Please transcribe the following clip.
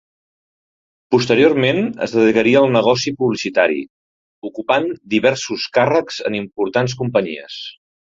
Posteriorment, es dedicaria al negoci publicitari, ocupant diversos càrrecs en importants companyies.